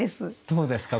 どうですか？